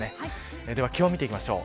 気温を見ていきましょう。